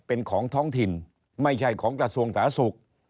เป็นของท้องถิ่นไม่ใช่ของกระทรวงสาธารณสุข